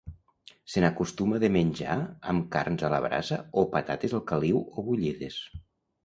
Se n'acostuma de menjar amb carns a la brasa o patates al caliu o bullides.